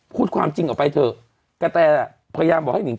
พูดความจริงออกไปเถอะกะแตพยายามบอกให้หิง